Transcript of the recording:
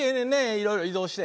いろいろ移動して。